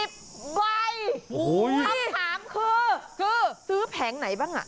คำถามคือซื้อแผงไหนบ้างอ่ะ